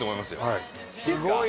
はい。